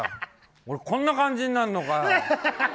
俺こんな感じになるのかよ。